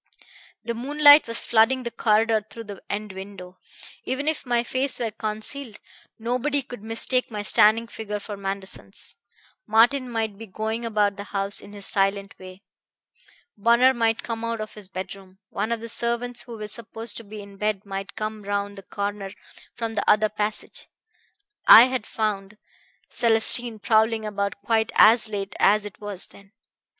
The moonlight was flooding the corridor through the end window. Even if my face were concealed, nobody could mistake my standing figure for Manderson's. Martin might be going about the house in his silent way. Bunner might come out of his bedroom. One of the servants who were supposed to be in bed might come round the corner from the other passage I had found Célestine prowling about quite as late as it was then.